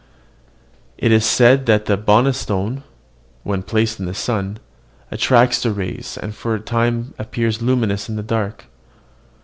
It is said that the Bonona stone, when placed in the sun, attracts the rays, and for a time appears luminous in the dark.